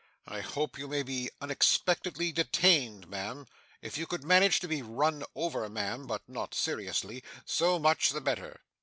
'I hope you may be unexpectedly detained, ma'am. If you could manage to be run over, ma'am, but not seriously, so much the better.